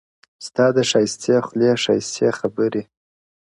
ستا د ښايستې خولې ښايستې خبري!